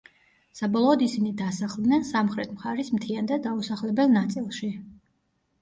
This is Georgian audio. საბოლოოდ ისინი დასახლდნენ სამხრეთ მხარის მთიან და დაუსახლებელ ნაწილში.